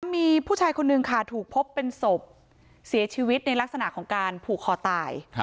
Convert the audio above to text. มีผู้ชายคนนึงค่ะถูกพบเป็นศพเสียชีวิตในลักษณะของการผูกคอตาย